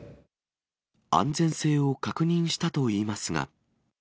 安全性を確認したといいますが。